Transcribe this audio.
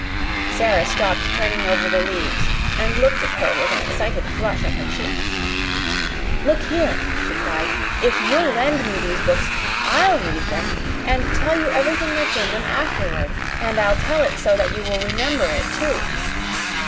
Sara stopped turning over the leaves and looked at her with an excited flush on her cheeks. "Look here," she cried, "if you'll lend me these books, I'll read them and tell you everything that's in them afterward and I'll tell it so that you will remember it, too."